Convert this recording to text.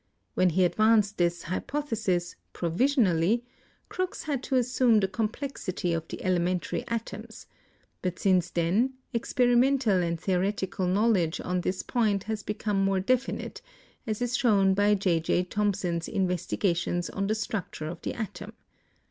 When he ad vanced this hypothesis, "provisionally," Crookes had to assume the complexity of the elementary atoms, but since then experimental and theoretical knowledge on this point has become more definite, as is shown by J. J. Thom son's investigations on the structure of the atom.